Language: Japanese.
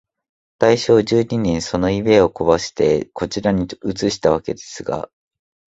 大正十二年、その家をこわして、こちらに移したわけですが、